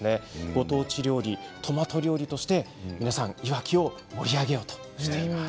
ご当地料理、トマト料理として皆さん、いわきを盛り上げようとしています。